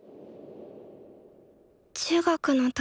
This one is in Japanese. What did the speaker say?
中学の時